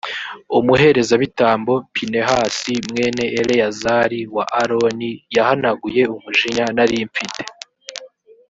umuherezabitambo pinehasi, mwene eleyazari wa aroni, yahanaguye umujinya nari mfite